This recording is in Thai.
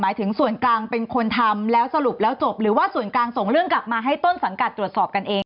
ถึงส่วนกลางเป็นคนทำแล้วสรุปแล้วจบหรือว่าส่วนกลางส่งเรื่องกลับมาให้ต้นสังกัดตรวจสอบกันเอง